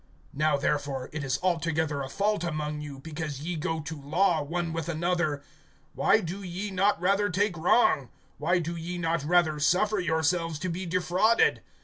(7)Now therefore, it is altogether a fault among you, because ye go to law one with another. Why do ye not rather take wrong? Why do ye not rather suffer yourselves to be defrauded?